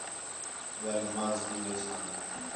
ٻِیال نماز تی ویساں